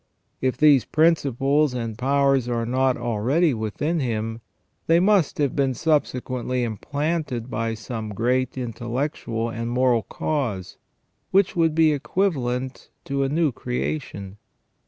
If these principles and powers are not already within him, they must have been subsequently implanted by some great intellectual and moral cause, which would be equivalent to a new creation.